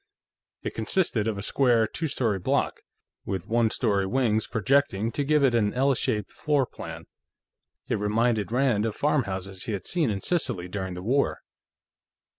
It consisted of a square two story block, with one story wings projecting to give it an L shaped floorplan. It reminded Rand of farmhouses he had seen in Sicily during the War.